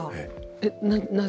えっなぜ？